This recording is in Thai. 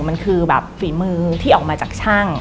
มันคือแบบฝีมือที่ออกมาจากช่าง